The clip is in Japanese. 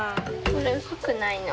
これ薄くないの？